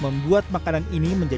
membuat makanan ini sangat menarik